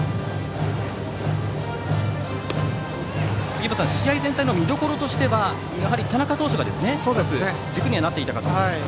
杉本さん試合全体の見どころとしてはやはり田中投手が軸になっていたと思いますが。